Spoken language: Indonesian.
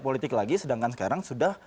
politik lagi sedangkan sekarang sudah